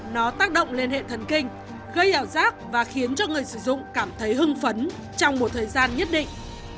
nó tác động lên hệ thần kinh gây ảo giác và khiến cho người sử dụng cảm thấy hưng phấn trong một thời gian nhất định